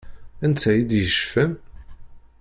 Anta i d-yecfan?